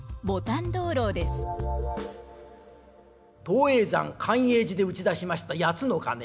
東叡山寛永寺で打ち出しました八つの鐘。